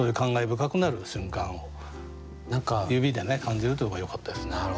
深くなる瞬間を指で感じるというのがよかったですね。